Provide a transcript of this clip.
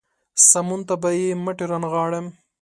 سمون ته به يې مټې رانغاړم.